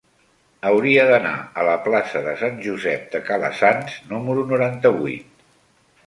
Hauria d'anar a la plaça de Sant Josep de Calassanç número noranta-vuit.